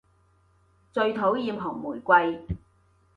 最討厭紅玫瑰